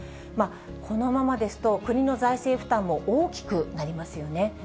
このままですと、国の財政負担も大きくなりますよね。